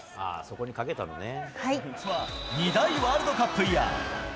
ことしは２大ワールドカップイヤー。